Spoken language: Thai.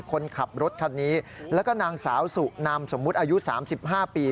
คนขับรถคันนี้แล้วก็นางสาวสุนามสมมุติอายุ๓๕ปี